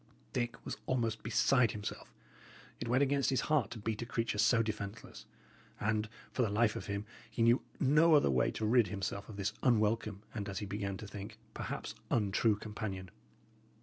Dick was almost beside himself. It went against his heart to beat a creature so defenceless; and, for the life of him, he knew no other way to rid himself of this unwelcome and, as he began to think, perhaps untrue companion.